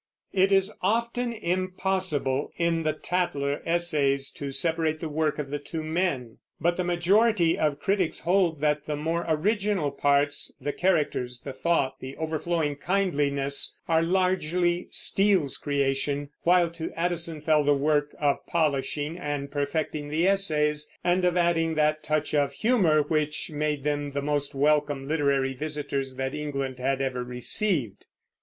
It is often impossible in the Tatler essays to separate the work of the two men; but the majority of critics hold that the more original parts, the characters, the thought, the overflowing kindliness, are largely Steele's creation; while to Addison fell the work of polishing and perfecting the essays, and of adding that touch of humor which made them the most welcome literary visitors that England had ever received.